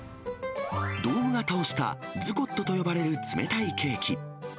ドーム形をしたズコットと呼ばれる冷たいケーキ。